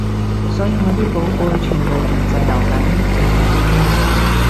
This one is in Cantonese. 所以我啲寶貝全部仲滯留緊未上飛機